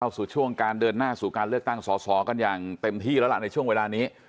สู่ช่วงการเดินหน้าสู่การเลือกตั้งสอสอกันอย่างเต็มที่แล้วล่ะในช่วงเวลานี้